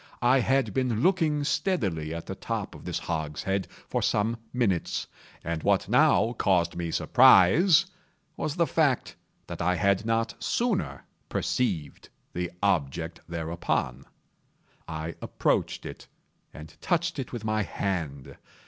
I had been looking steadily at the top of this hogshead for some minutes, and what now caused me surprise was the fact that I had not sooner perceived the object thereupon. I approached it, and touched it with my hand.